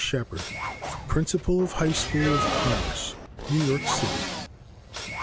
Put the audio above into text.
SHEPPARD, PRINCIPAL OF HIGH SCHOOL OF COMMERCE, NEW YORK CITY.